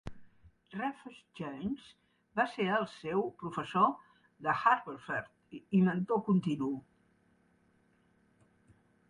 Rufus Jones va ser el seu professor de Haverford i mentor continu.